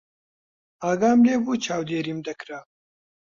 ئاگام لێ بوو چاودێریم دەکرا.